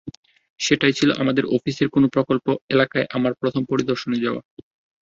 সেটাই ছিল আমাদের অফিসের কোনো প্রকল্প এলাকায় আমার প্রথম পরিদর্শনে যাওয়া।